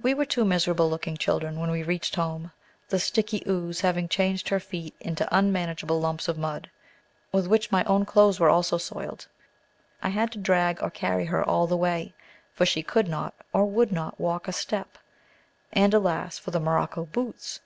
We were two miserable looking children when we reached home, the sticky ooze having changed her feet into unmanageable lumps of mud, with which my own clothes also were soiled. I had to drag or carry her all the way, for she could not or would not walk a step. And alas for the morocco boots!